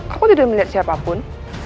aku tidak melihat siapapun